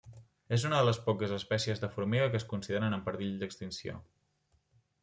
És una de les poques espècies de formiga que es consideren en perill d'extinció.